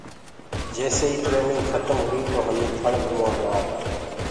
جيسي هيِ ٽرينگ کتم هُري تو همي ٿݪ گھموآ گوآتا۔